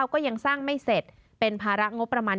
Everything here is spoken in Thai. ก็ยังสร้างไม่เสร็จเป็นภาระงบประมาณ